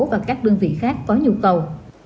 và các đơn vị khác có nhu cầu